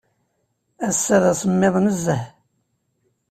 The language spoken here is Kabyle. Ass-a d asemmiḍ nezzeh.